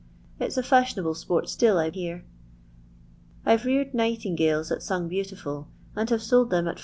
It's a &sh'nable sport still, I hear, laarad nightingales that sung beautiful, and sold them at 4«.